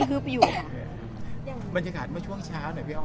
ปฎเชฟภาพมันจะขาดมาช่วงเช้าหน่อยหรือพี่อ้อม